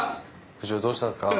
部長どうしたんですか？